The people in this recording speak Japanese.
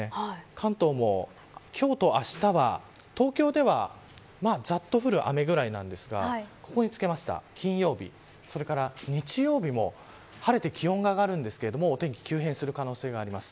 関東も、今日とあしたは東京では、ざっと降る雨くらいなんですが金曜日、それから日曜日も晴れて気温が上がるんですがお天気急変する可能性があります。